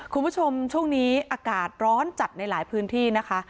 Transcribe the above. คุณผู้ชมช่วงนี้อากาศร้อนจัดในหลายพื้นที่นะคะ